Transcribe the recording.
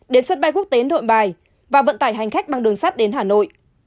đến sân bay quốc tế nội bài và vận tải hành khách bằng đường sắt đến hà nội